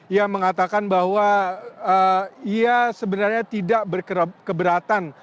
yang mengatakan bahwa ia sebenarnya tidak berkeberatan